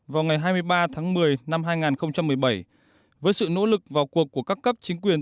vào ngày hai mươi ba tháng một mươi năm hai nghìn một mươi bảy với sự nỗ lực vào cuộc của các cấp chính quyền